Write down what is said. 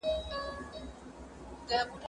زه به سبا موسيقي اورم وم!